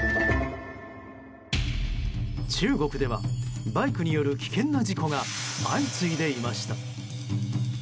中国ではバイクによる危険な事故が相次いでいました。